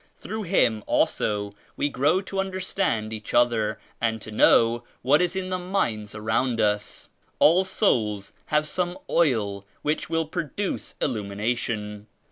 Through Him also we grow to understand each other and to know what is in the minds around us. All souls have some oil which will produce illumination.